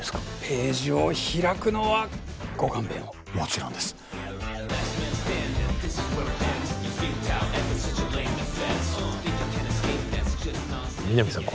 ページを開くのはご勘弁をもちろんです皆実さん